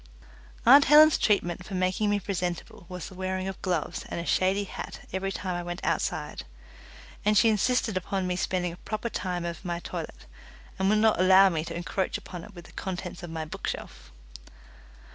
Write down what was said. Aunt Helen's treatment for making me presentable was the wearing of gloves and a shady hat every time I went outside; and she insisted upon me spending a proper time over my toilet, and would not allow me to encroach upon it with the contents of my bookshelf.